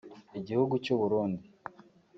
Igihugu cy’u Burundi